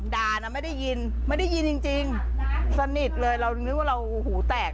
ด่านะไม่ได้ยินไม่ได้ยินจริงสนิทเลยเรานึกว่าเราหูแตก